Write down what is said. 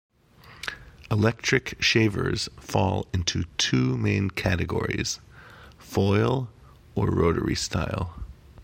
Electric shavers fall into two main categories: foil or rotary-style.